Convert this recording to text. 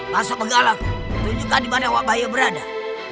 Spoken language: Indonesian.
masuk ke galak tunjukkan dimana wabayau itu berada